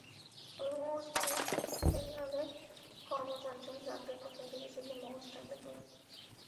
তবে মগজকে খেলালে, কর্মচঞ্চল রাখলে, নতুন কিছু শিখলে মগজ থাকবে তরুণ।